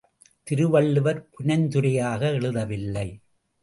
திருவள்ளுவர் புனைந்துரையாக எழுதவில்லை.